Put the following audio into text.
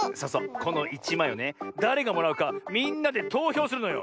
この１まいをねだれがもらうかみんなでとうひょうするのよ。